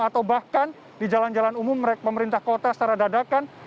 atau bahkan di jalan jalan umum pemerintah kota secara dadakan